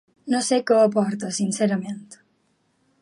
No sé què aporta, sincerament.